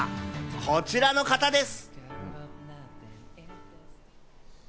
こちらの方です。